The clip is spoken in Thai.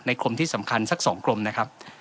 ในกลมที่สำคัญสักสองกลมนะครับ